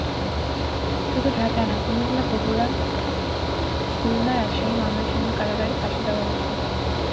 শুধু ঢাকায় না, কুমিল্লা, বগুড়া, খুলনা, রাজশাহী, ময়মনসিংহ কারাগারে ফাঁসি দেওয়া হয়েছে।